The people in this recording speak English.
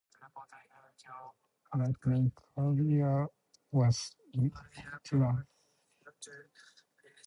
Alain's main career was in Endurance racing along with Formula one.